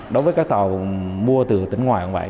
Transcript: đối với các tàu mua từ tỉnh ngoài cũng vậy